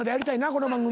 この番組。